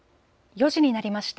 ４時になりました。